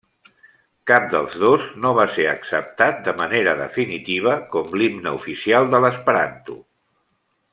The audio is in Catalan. Cap dels dos no va ser acceptat, de manera definitiva, com l'himne oficial de l'esperanto.